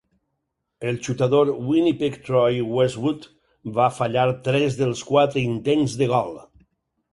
El xutador de Winnipeg Troy Westwood va fallar tres dels quatre intents de gol.